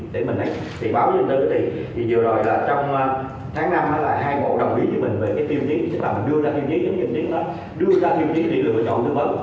tức là mình đưa ra tiêu chí chúng mình đưa ra tiêu chí để lựa chọn thư vấn